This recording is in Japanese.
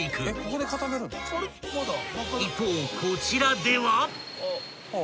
［一方こちらでは］